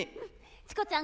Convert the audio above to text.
チコちゃん